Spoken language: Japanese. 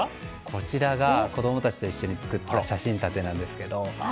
こちらが子供たちと一緒に作った写真立てなんですが。